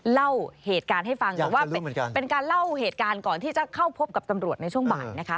เล่าเหตุการณ์ให้ฟังแต่ว่าเป็นการเล่าเหตุการณ์ก่อนที่จะเข้าพบกับตำรวจในช่วงบ่ายนะคะ